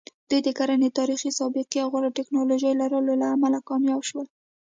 دوی د کرنې تاریخي سابقې او غوره ټکنالوژۍ لرلو له امله کامیاب شول.